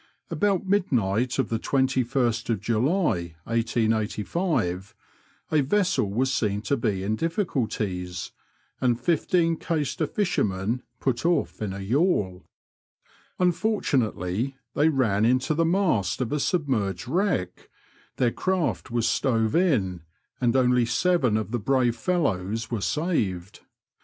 About midnight of the 21st July, 1885, a vessel was seen to be in difficuUies, and fifteen Caister fishermen put off in a yawl. Unfortunately, they ran into the mast of a submerged wreck, their craft was stove in, and only seven of the brave fellows were saved.